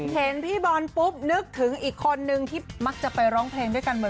เห็นพี่บอลปุ๊บนึกถึงอีกคนนึงที่มักจะไปร้องเพลงด้วยกันเหมือน